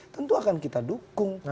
tentu akan kita dukung